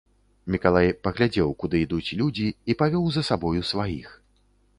Мікалай паглядзеў, куды ідуць людзі, і павёў за сабою сваіх.